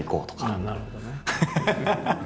ああなるほどね。